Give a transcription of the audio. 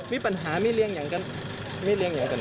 มีปัญหาไหมลี่ยนต์อย่างกัน